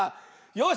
よし。